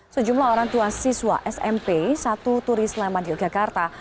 sejumlah orang tua siswa smp satu turi sleman yogyakarta